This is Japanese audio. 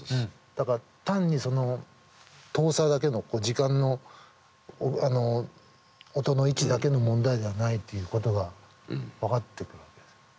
だから単にその等差だけの時間の音の位置だけの問題じゃないっていうことが分かってくる。